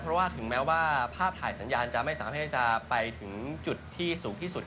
เพราะว่าถึงแม้ว่าภาพถ่ายสัญญาณจะไม่สามารถที่จะไปถึงจุดที่สูงที่สุด